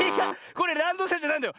これランドセルじゃないんだよ。